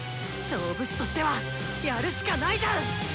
勝負師としてはやるしかないじゃん！